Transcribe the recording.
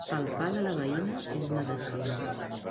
El pa de la veïna és medecina.